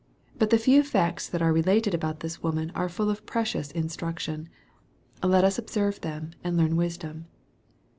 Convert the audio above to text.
But the few facts that are related about this woman are full of precious instruction. Let us observe them, and learn wisdom.